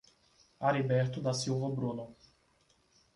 Ariberto da Silva Bruno